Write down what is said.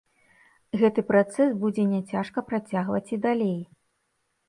Гэты працэс будзе няцяжка працягваць і далей.